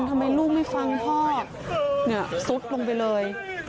ทำไมลูกไม่ฟังพ่อเนี่ยซุดลงไปเลย